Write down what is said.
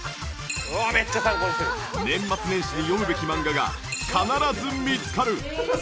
年末年始に読むべき漫画が必ず見つかる！